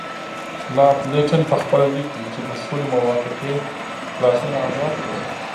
لارډ لیټن پخپله لیکي چې د سولې موافقې لاسونه ازاد کړل.